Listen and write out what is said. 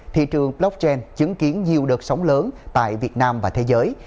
thị trường blockchain chứng kiến nhiều đợt sóng lớn tại việt nam và thế giới